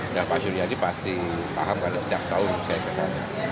dan pak surya disudirja pasti paham karena setiap tahun saya kesana